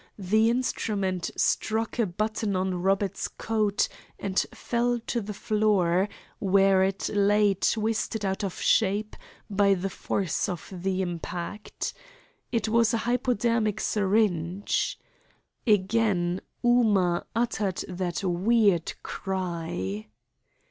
The instrument struck a button on Robert's coat and fell to the floor, where it lay twisted out of shape by the force of the impact. It was a hypodermic syringe. Again Ooma uttered that weird cry.